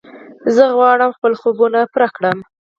زه غواړم خپل خوبونه پوره کړم.